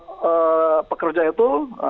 para pekerja itu